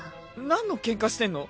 何のケンカしてんの？